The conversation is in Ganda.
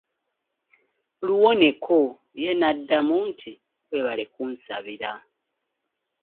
Luwoneko, ye n'addamu nti weebale kunsabira.